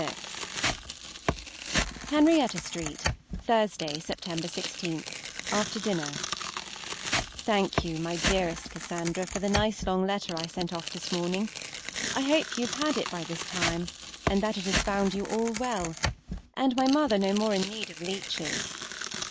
XLVI. HENRIETTA STREET, Thursday (Sept. 16, after dinner), THANK you, my dearest Cassandra, for the nice long letter I sent off this morning. I hope you have had it by this time, and that it has found you all well, and my mother no more in need of leeches.